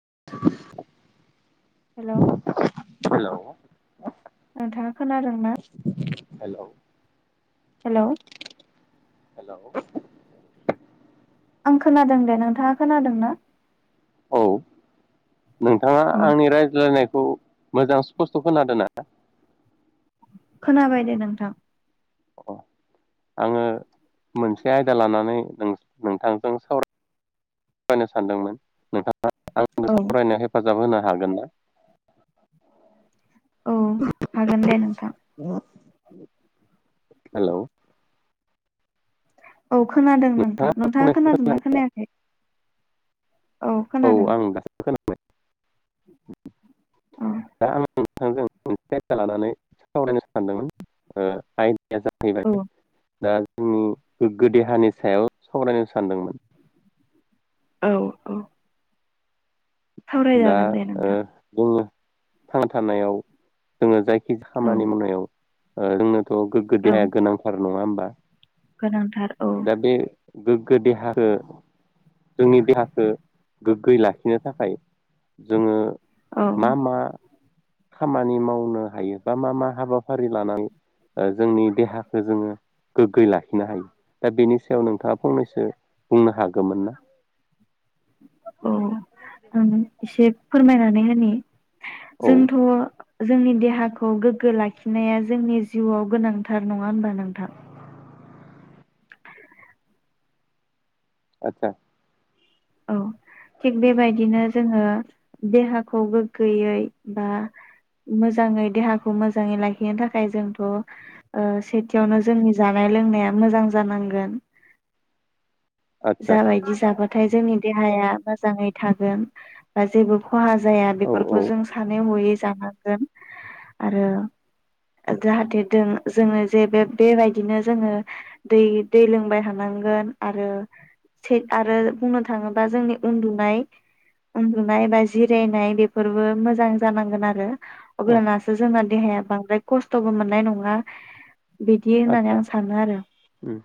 [unintelligible] Hello hello नोंथाङा खोनादोंना? Hello hello hello आं खोनादों दे नोंथाङा खोनादों ना? औ नोंथाङा औ आंनि रायज्लायनायखौ मोजां स्पस्त खोनादोंना? खोनाबाय दे नोंथां । अ आंङो मोनसे आयदा लानानै नों नोंथांजों सावरायनो सानदोंमोन नोंथां [unintelligible] आं जों औ सावरायनायाव हेफाजाब होना हागोन ना? औ हागोन दे नोंथां । ना हेलौ औ खोनादों नोंथां नोंथाङा खोनादोंना खोनायाखै? औ खोनादों [unintelligible] औ दा नों मोनसे आयदा लानानै सावरायनो सानदोंमोन ओ आइ दाया औ जैबाय दा उम गोग्गो देहानि सायाव सावरायनो सानदोंमोन औ औ दा सावरायजागोन दे ओ नोंथां बुङो थांना थानायाव जोंङो जाय खि औ खालामानि मावनायाव ओ जोंनो थह गोगो औ देाया गोनांथार नङा होम बा गोनांथार औ। गोग्गो देहाखौ जोंनि देहाखौ गोग्गो लाखिनो थाखाय जोंङो औ मा मा खामानि मावनो हायो बा मा मा हाबाफारि लानानै जोंनि देहाखौ जोङो गोग्गो यै लाखिनो हायो दा बेनि सायाव नोंथाङा फंनैसो बुंनो हागौमोन ना? ओ एसे फोरमाय नै होनि औ जोंथ' जोंनि देहाखौ गोग्गो लाखिनाया जोंनि जिउआव गोनांथार नङा होनबा नोंथां आतसा औ थिग बेबायदिनो जोङो देहाखौ गोग्गोयै बा मोजाङै देहाखौ मोजाङै लाखिनो थाखाय जोंथ' ओ सेथियावनो जोंनि जानाय लोंनाया मोजां जानांगोन। आदसा जाबायदि जाबाथाय जोंनि दे देहाया मोजाङै थागोन बा जेबो खहा जाया औ औ बेफोरखौ जों सानै हयै जाना गोन आरो जाहाथे जोङो जे बे बेबायदिनो जोङो दै दै लोंबाय थानांगोन आरो थिग आरो बुंनो था थाङोबा जोंनि उन्दुनाय उन्दुनाय बा जिरायनाय बेफोरबो मोजां जानांगोन आरो। औ अब्ला नासो जोंङो देहाया बांद्राय खस्थ'बो मोननाय नङा। बिदि होननानै आतसा आं सानो आरो ओम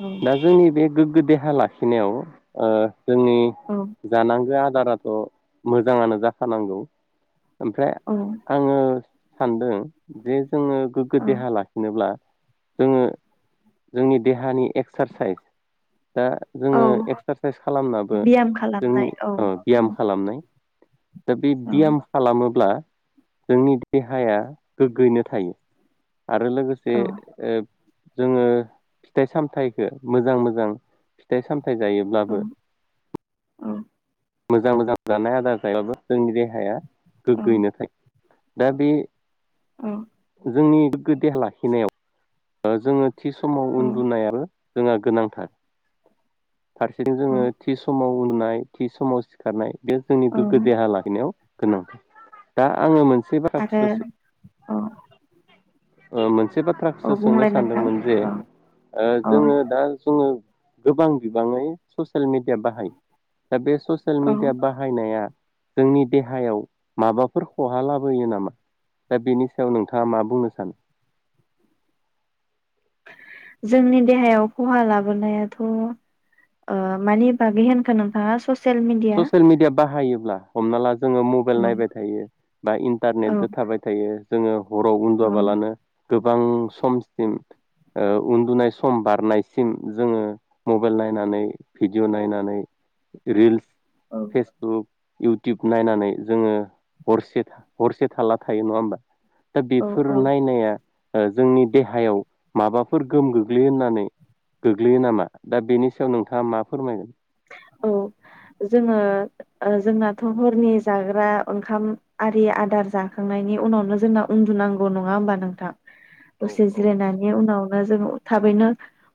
औ दा जोंनि बे गोग्गो देहा लाखिनायाव ओ जोंनि औ जानांगो आ दाराथ' मोजाङानो जाखानांगौ। ओमफाय औ आङो सानदों जे जोङो गोगो औ देहा लाखिनोब्ला जोङो जोंनि देहानि एक्सासाइस दा औ जोङो एक्सारसाइस खालामनाबो ब्याम जोंनि खालामनाय औ औ बियाम खालामनाय। दा बे औ बयाम खालामोब्ला जोंनि देहाया गोग्गोयैनो थायो। आरो लोगोसे औ जोङो फिथाइ सामथाइखौ मोजां मोजां फिथाइ साम थाइ औ जायोब्लाबो औ मोजां मोजां जानाय आदार जायोबाबो जोंनि देहाया औ गोग्गोयैनो थायो दा बे जोंनि गो देहा लाखिनायाव ओ जोङो थि समाव औ उन्दुनाय आरो जोंहा गोनांथार फारसेथिं जोङो थि समाव उन्दुनाय थि समाव सिखारनाय बे जोंनि गोग्गो औ देहा लाखिनायाव गोनां दा आङो मोनसे आरो बाथ्राखौसो अ ओ मोनसे बाथ्रा सो सोंनो सानदोंमोन जे औ ओ औ जोङो दा जोङो गोबां बिबाङै ससियेल मिडिया बाहायो दा बे ससियेल औ मिडिया बाहायनाया जोंनि देहायाव माबाफोर खहा लाबोयो नामा दा बेनि सायाव नोंथाङा मा बुंनो सानो? जोंनि देहायाव खहा लाबोनायाथ' ओ मानि बागै होनखो नोंथाङा ससेल सियेल मिडिया ससियेल मिडिया बाहायोब्ला हमना ला जोङो मबाइल औ नायबाय थायो बा इन्टारनेटजों थाबाय थायो जोङो हराव औ उन्दुआबालानो गोबां समसिम ओ उन्दुनाय सम बारनायसिम जोङो मबाइल नायनानै भिडिअ' नायनानै रिल्स औ फेसबुक इउटुब नायनानै जोङो हरसे हरसे थाल्ला थायो नङा होमबा दा औ बेफोर औ नायनाया ओ जोंनि देहायाव माबाफोर गोहोम गोग्लैयो होननानै गोग्लैयो नामा दा बेनि सायाव नोंथाङा मा फोरमायगोन? औ जोङो ओ जोंनाथ' हरनि जाग्रा ग्रा ओंखाम आरि आदार जाखांनायनि उनावनो जोंना उन्दुनांगौ नङा होमबा नोंथां औ दसे औ जिराय नानि उनाव बा जोङो थाबैनो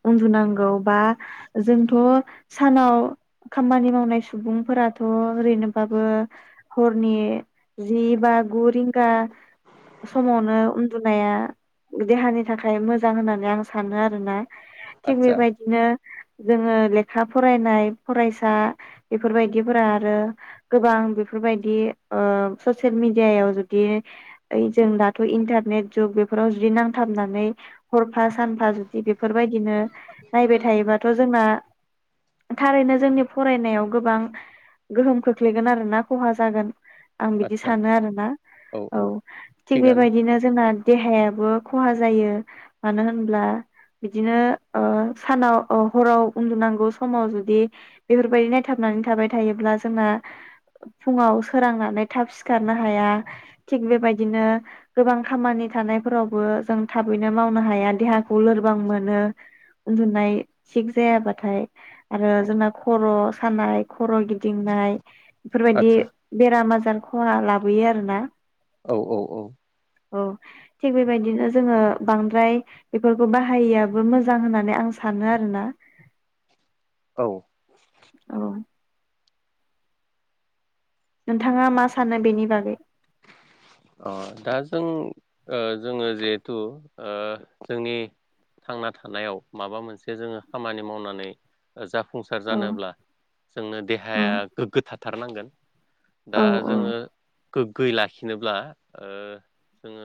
उनदुनांगौ बा जोंथ' सा सानाव खामानि मावनाय सुबुंफोराथ' ओरैनोबाबो हरनि जि बा गु रिंगा समावनो उन्दुनाया देहानि थाखाय मोजां होननानै आं सानो आरोना थिग आदसा बेबायदिनो जोङो लेखा फरायनाय फरायसा बेफोरबायदिफोरा आरो गोबां बेफोरबायदि ससियेल मेडियायाव जुदि ओइ जों दाथ' इन्टारनेट जुग बेफोराव जुदि नांथाबनानै हरफा सानफा जुदि बेफोरबायदिनो नायबाय थायोबाथ' जोंना थारैने जोंनि फरायनायाव गोबां गोहोम खोख्लैगोन आरोना खहा जागोन आं बिदि आदसा सानो आरोना औ थिग थिगानो बेबायदिनो जोंना देहायाबो खहा जायो मानो होनब्ला बिदिनो सानाव हराव उन्दुनांगौ समाव जुदि बेफोरबायदि नायथाबनानै थाबाय थायोब्ला जोंना फुङाव सोरांनानै थाब सिखारनो हाया थिग बेबायदिनो गोबां खामानि थानायफोरावबो जों थाबैनो मावनो हाया देहाखौ लोरबां मोनो उन्दुनाय थिग जायाबाथाय आरो जोंना खर' सानाय खर' गिदिंनाय बेफोरबायदि आदसा बेराम आजार खहा लाबोयो आरोना औ औ औ औ थिग बेबायदिनो जोङो बांद्राय बेफोरखौ बाहायैयाबो मोजां होननानै आं सानो आरोना औ औ नोंथाङा मा सानो बेनि बागै ओ दा जों ओ जोङो जिहेथु जोंनि थांना थानायाव माबा मोनसे जोङो खामानि मावनानै ओ जा फुंसार औ जानोब्ला जोंनो औ देहाया गोग्गो थाथारनांगोन दा औ औ जोङो गोग्गै लाखि खिनोब्ला ओ जोङो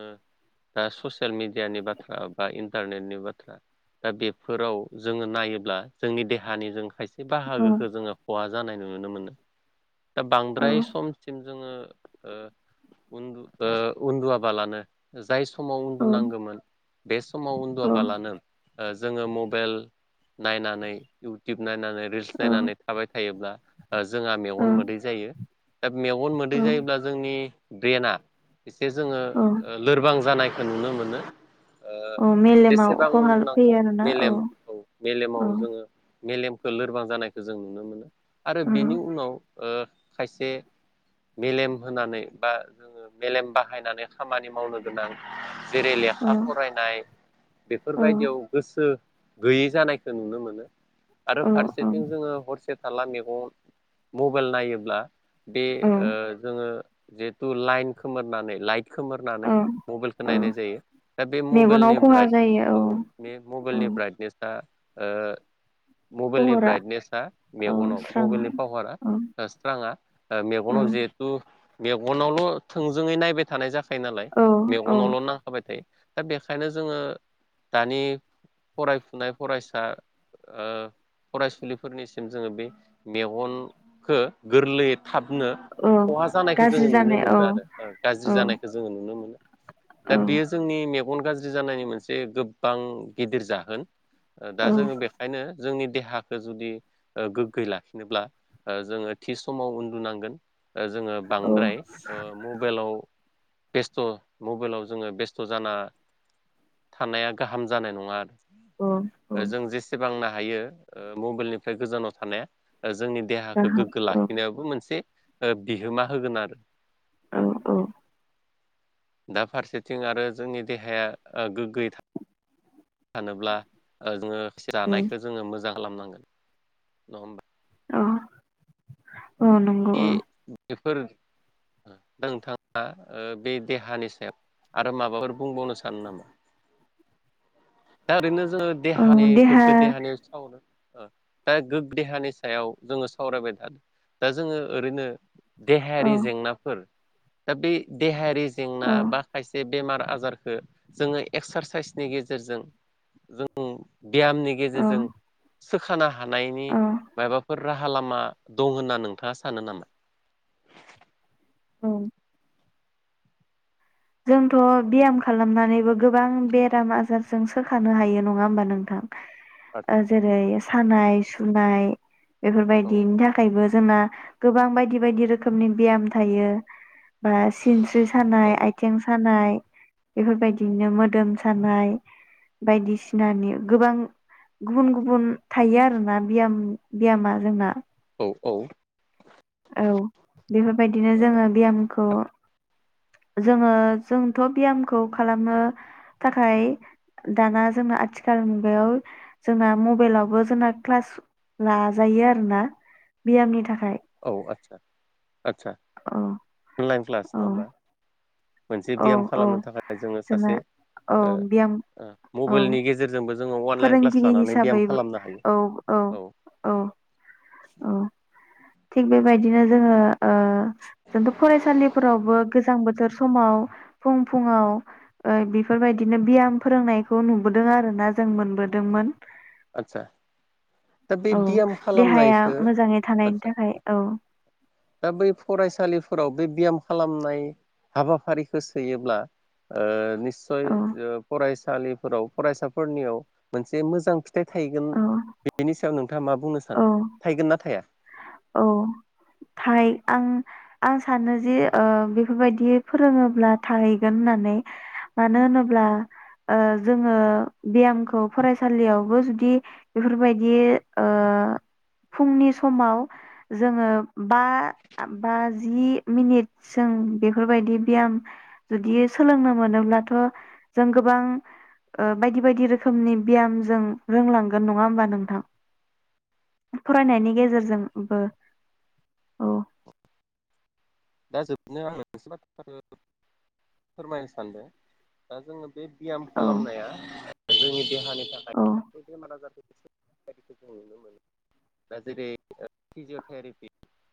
दा ससियेल मेडियानि बाथ्रा बा इन्टारनेटनि बाथ्रा दा बेफोराव जोङो नायोब्ला जोंनि देहानि जों खायसे बे औ बाहागोखो जोङो खहा जानाय नुनो मोनो दा औ बांद्राय समसिम जोङो ओ उन्दु ओ उन्दुवाबालानो जो जाय समाव औ उन्दुनांगोमोन बेस समाव औ उन्दुवाबालानो ओ जोङो मबाइल नायनानै इउटुब नायना नै रिल्स नायनानै औ थाबाय थायोब्ला ओ जोंहा मेगन मोदै जायो दा मेगन औ मोदै जायोब्ला जोंनि ब्रेना एसे जोङो औ लोरबां जानाय ओ नुनो मोनो ओ औ मेलेमाव जेसेबां खहा उन्दुनांगौ फैयो आरोना औ मेलेम मेलेमाव औ जोङो मेलेमखौ लोरबां जानायखौ जों नुनो मोनो आरो औ बेनि उनाव ओ खायसे मेलेम होनानै बा जोङो मेलेम बाहायनानै खामानि मावनो गोनां जेरै औ लेखा फरायनाय औ बेफोरबायदियाव गोसो गैयै जानायखौ नुनो मोनो आरो औ फारसेथिं जोङो हरसे थारला मेगन मबाइल नायोब्ला बे औ ओ जोङो। जिहेथु लाइन खोमोरनानै लाइ। खोमोरनानै औ मबाइलखौ औ नायनाय जायो दा बे मेगनाव मबाइलनि खहा ब्राइट जायो औ बे औ मबाइलनि ब्राइटनेसा। ओ। मबाइलनि खहरा ब्राइटनेसा औ मेगनाव स्रां औ मबाइलनि पावारा स्राङा औ मेगनाव जिहेथु। बेगनावल थोंजोङै नायबाय थानाय जा। नालाय औ औ मेगनावल नांखाबाय थायो। दा बेखायनो जोङो दानि फरायफुनाय फरायसा ओ फरायसुलिफोरनिसिम जोङो बे मेगनखौ गोरलै। हाबनो औ खहा जानाय। गाज्रि जो नुनो जानाय औ मोनदों आरो औ गाज्रि जानायखौ जोङो नुनो मोनो दा बेयो जोंनि। मेगन गाज्रि जानायनि मोनसे गोबां गिदिर जाहोन। ओ दा औ जोङो बेखायनो। जोंनि देहाखौ जुदि गोग्गै लाखिनोब्ला जोङो थि समाव उन्दुनांगोन ओ जों। औ बांद्राय ओ मबाइलाव। बेस्थ मबाइलाव जोङो बेस्थ जाना थानाया गाहाम जानाय नङा। औ औ जों जेसेबांना। हायो मबाइलनिफ्राय गोजानाव थानाया। जोंनि देहाखौ गाहाम गोगो औ लाखिनायावबो मोनसे। ओ बिहोमा। होगोन आरो। औ औ। दा फारसेथिं आरो जोंनि देहाया गोग्गोयै था। सानोब्ला ओ जोङो। से औ रानायखो जोङो मोजां। खालामनांगोन नङा होनबा। अ नंगौ बे अ। बेफोर नोंथाङा ओ बे देहानि सायाव आरो माबाफोर बुंबावनो सानो नामा दा ओरैनो। जोङो औ देहानि गोगो देहा देहानिथावनो। ओ दा गोग्गो देहानि सायाव जोङो सावरायबाय था। दा जोङो ओरैनो। औ देहायारि जेंनाफोर। दा बे देहायारि। जेंना औ बा खायसे। बेमार आजारखौ जोङो एक्सारसाइसनि गेजेरजों जों। ब्यामनि औ गेजेरजों। सोखानो हानायनि औ माबाफोर राहा लामा दं होनना नों थाङा सानो नामा औ जोंथ' बियाम खालामनानैबो गोबां बेराम आजारजों सोखानो हायो नङा होमबा नोंथां आदसा ओ सानाय सुनाय औ बेफोरबायदिनि थाखायबो जोंना गोबां बायदि बायदि रोखोमनि ब्याम थायो बा सिनस्रि सानाय औ आय सानाय बेफोरबायदिनो मोदोम सानाय बायदिसिनानि गोबां गुबुन गुबुन थायो आरोना बियाम बियामा जोंना औ औ औ बेफोरबायदिनो जोङो बियामखौ जोङो जोंथ' बियामखौ खालामनो थाखाय दाना जोंना आथिखाल मुगायाव जोंना मबाइलावबो जोंना क्लास लाजायो आरोना बियामनि थाखाय औ आतसा आदसा औ अनलाइन क्लास औ नङा होमबा मोनसे औ बियाम औ खालामनो थाखाय जोङो जोंना सासे औ बियाम ओ औ मबाइलनि गेजेरजोंबो जोङो अनलाइन क्लास फोरोंगिरि लानानै ब्याम हिसाबै खालामनो हायो औ औ औ औ थिग बेबायदिनो जोङो ओ जोंथ' फरायसालिफोरावबो गोजां बोथोर समाव फुं फुङाव ओ बेफोरबायदिनो बियाम फोरोंनायखौ नुबोदों आरो ना जों मोनबोदोंमोन आतसा औ देहाया मोजाङै थानायनि आदसा थाखाय औ दा बै फरायसालिफोराव बे बियाम खालामनाय हाबाफारिखौ सोयोब्ला ओ नि सय औ ओ फराय फरायसालिफोराव फरायसाफोरनियाव मोनसे मोजां फि थायगोन औ बेनि सायाव नोंथाङा मा बुंनो औ सानो? थायगोन ना थाया औ थाय आं आं सानो जे ओ बेफोरबायदि फोरोङोब्ला थाहैगोन होननानै मानो होनोब्ला ओ जोङो बेयामखौ फरायसालियावबो जुदि एफोरबायदि ओ फुंनि समाव जोङो बा बा जि मिनिट जों बेफोरबायदि बियाम जुदि सोलोंनो मोनोब्लाथ' जों गोबां ओ बायदि बायदि रोखोमनि बियाम जों रोंलांगोन गोन नङा होमबा नोंथां फरायनायनि गेजेरजोंबो औ दा जोबनो आङो मोनसे बाथ्राखौ फोरमायनो सानदों दा जोंङो बे बियाम औ खालामनाया जोंनि देहा देहानि थाखाय औ बे बेमार आजार [inaudible] दा जेरै फिजिय'थेरापि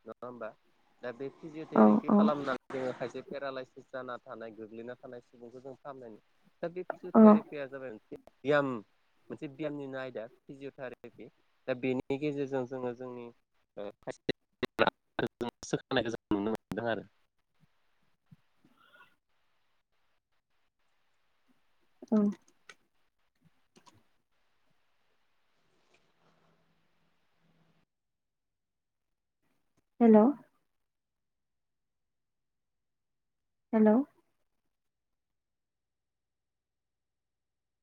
नङा होमबा दा बे औ जेरैखि औ खालामनानै जोंङो खायसे पेरालाायसिस जाना थानाय गोग्लैना थानाय सुबुंखौ जों फाहामनायनि दा बे औ फिजियोथेरेपी आ जाबा बे बियाम मोनसे बियामनिनो आयदा फिजिय'थेरापि। दा बेनि गेजेरजों जोङो जोंनि [unintelligible] नुनो मोनदों आरो। औ। हेल'? हेलौ?